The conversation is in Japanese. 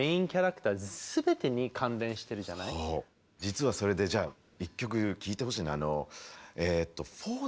実はそれでじゃあ一曲聴いてほしいな。